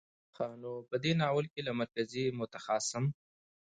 نو په دې ناول کې له مرکزي، متخاصم،